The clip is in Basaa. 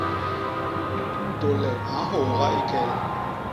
Tôle a nhôôga i kel.